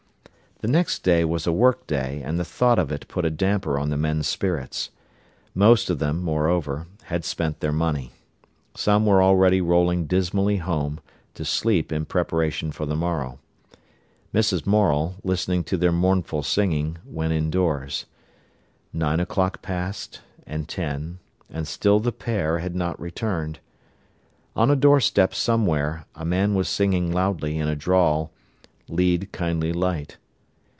The next day was a work day, and the thought of it put a damper on the men's spirits. Most of them, moreover, had spent their money. Some were already rolling dismally home, to sleep in preparation for the morrow. Mrs. Morel, listening to their mournful singing, went indoors. Nine o'clock passed, and ten, and still "the pair" had not returned. On a doorstep somewhere a man was singing loudly, in a drawl: "Lead, kindly Light."